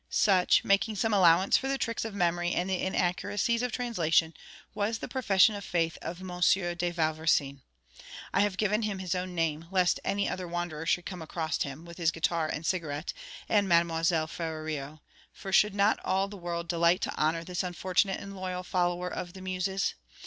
Such, making some allowance for the tricks of memory and the inaccuracies of translation, was the profession of faith of M. de Vauversin. I have given him his own name, lest any other wanderer should come across him, with his guitar and cigarette, and Mademoiselle Ferrario; for should not all the world delight to honour this unfortunate and loyal follower of the Muses?